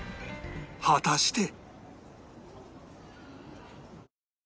果たして